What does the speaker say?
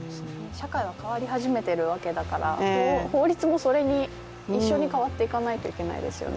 社会は変わり始めてるわけだから法律もそれに一緒に変わっていかないといけないですよね。